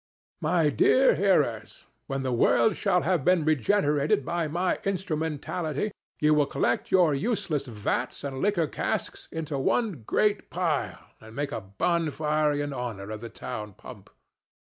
—My dear hearers, when the world shall have been regenerated by my instrumentality, you will collect your useless vats and liquor casks into one great pile and make a bonfire in honor of the town pump.